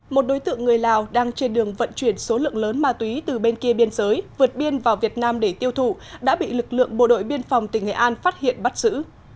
một đối tượng người lào đang trên đường vận chuyển số lượng lớn ma túy từ bên kia biên giới vượt biên vào việt nam để tiêu thụ đã bị lực lượng bộ đội biên phòng tỉnh nghệ an phát hiện bắt giữ